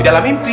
di dalam mimpi